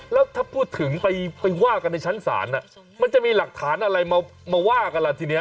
แล้วถ้าพูดถึงไปว่ากันในชั้นศาลมันจะมีหลักฐานอะไรมาว่ากันล่ะทีนี้